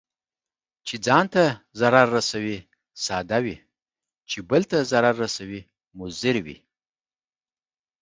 چي ځان ته ضرر رسوي، ساده وي، چې بل ته ضرر رسوي مضر وي.